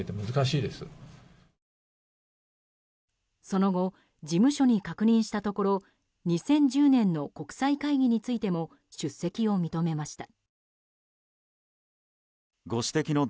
その後事務所に確認したところ２０１０年の国際会議についても出席を認めました。